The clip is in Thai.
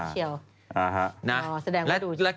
ชื่อน่ารักเฉียว